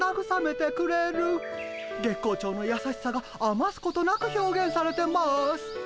月光町のやさしさがあますことなく表現されてます。